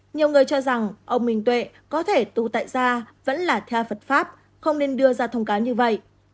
nhiều người cho rằng ông minh tuệ có thể tù tại ra vẫn là theo phật pháp không nên đưa ra thông cáo như vậy